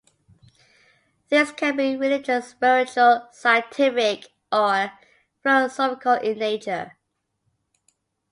These can be religious, spiritual, scientific, or philosophical in nature.